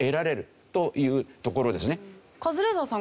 カズレーザーさん